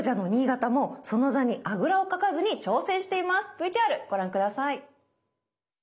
ＶＴＲご覧下さい。